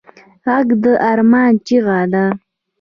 غږ د ارمان چیغه ده